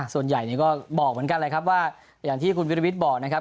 ส่วนใหญ่ก็บอกเหมือนกันแหละครับว่าอย่างที่คุณวิรวิทย์บอกนะครับ